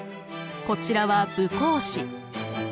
こちらは武侯祠。